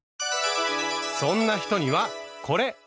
そんな人にはこれ！